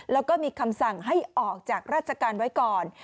แล้วก็มีคำสั่งให้ออกจากราชการไว้ก่อน